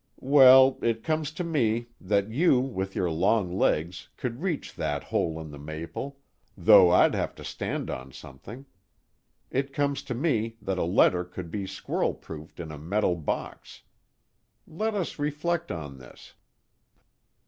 Well, it comes to me that you with your long legs could reach that hole in the maple, though I'd have to stand on something. It comes to me that a letter could be squirrel proofed in a metal box. Let us reflect on this."